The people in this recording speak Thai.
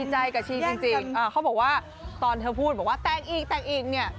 ใจกับชีจริงเขาบอกว่าตอนเธอพูดบอกว่าแต่งอีกแต่งอีกเนี่ย